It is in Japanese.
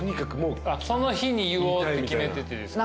その日に言おうって決めててですか？